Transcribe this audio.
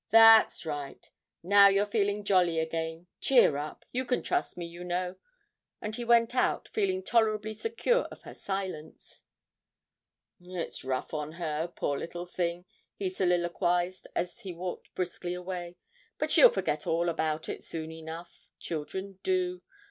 'That's right now you're feeling jolly again; cheer up, you can trust me, you know.' And he went out, feeling tolerably secure of her silence. 'It's rough on her, poor little thing!' he soliloquised as he walked briskly away; 'but she'll forget all about it soon enough children do.